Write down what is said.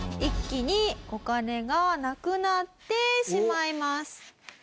一気にお金がなくなってしまいます。